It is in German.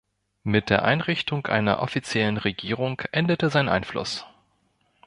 Mit der Einrichtung einer offiziellen Regierung endete sein Einfluss.